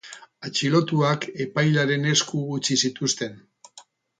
Atxilotuak epailearen esku utzi zituzten.